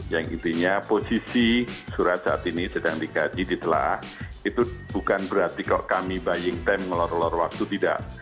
yang intinya posisi surat saat ini sedang dikaji ditelah itu bukan berarti kok kami buying time ngelor ngelor waktu tidak